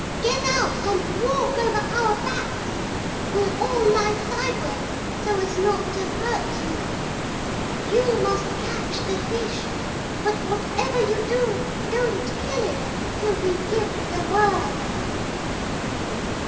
Get out and walk over our backs we'll all lie sideways so as not to hurt you. You must catch the fish but whatever you do don't kill it till we give the word.'